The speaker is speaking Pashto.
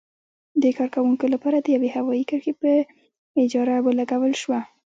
د کارکوونکو لپاره د یوې هوايي کرښې په اجاره ولګول شوه.